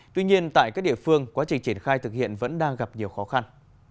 tuy nhiên tại các địa phương quá trình triển khai thực hiện vẫn đang gặp nhiều khó khăn